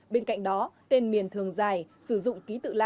bên cạnh đó tên miền thường dài sử dụng ký tự la